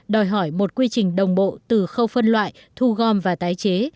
đòi hỏi một quy trình đồng bộ từ khâu phân loại thu gom và tái chế